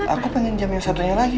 aku pengen jam yang satunya lagi